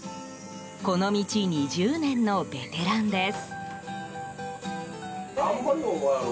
この道２０年のベテランです。